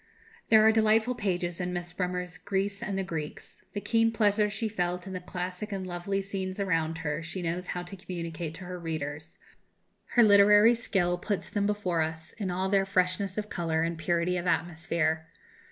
There are delightful pages in Miss Bremer's "Greece and the Greeks"; the keen pleasure she felt in the classic and lovely scenes around her she knows how to communicate to her readers; her literary skill puts them before us in all their freshness of colour and purity of atmosphere.